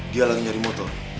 dia lagi nyari motor